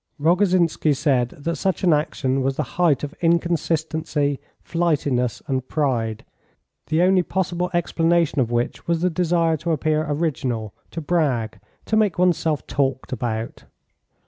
Rogozhinsky said that such an action was the height of inconsistency, flightiness, and pride, the only possible explanation of which was the desire to appear original, to brag, to make one's self talked about.